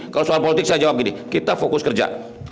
kalau soal politik saya jawab gini kita fokus kerja